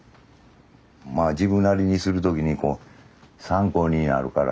まあ自分なりにする時に参考になるから。